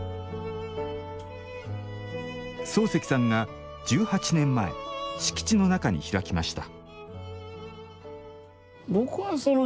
漱石さんが１８年前敷地の中に開きました。